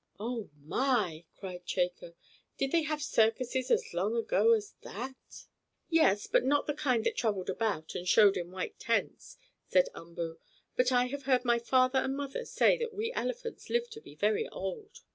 "Oh, my!" cried Chako. "Did they have circuses as long ago as that?" "Yes, but not the kind that traveled about, and showed in white tents," said Umboo. "But I have heard my father and mother say that we elephants live to be very old."